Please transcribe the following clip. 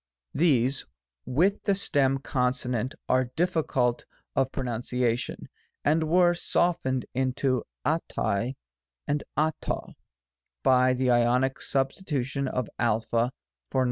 §74. V'TO. These, with the stem consonant, are difficult of pronunciation, and were softened into a rai and cc ro by the Ionic substitution of a for v.